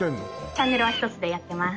チャンネルは１つでやってます。